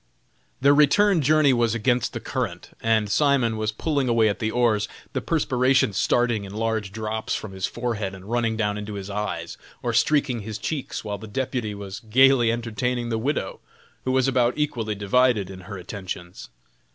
The return journey was against the current, and Simon was pulling away at the oars, the perspiration starting in large drops from his forehead and running down into his eyes, or streaking his cheeks, while the deputy was gaily entertaining the widow, who was about equally divided in her attentions.